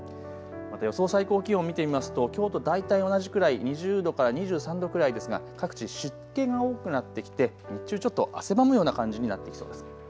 また予想最高気温、見てみますときょうと大体同じくらい２０度から２３度くらいですが各地、湿気が多くなってきて日中ちょっと汗ばむような感じになってきそうです。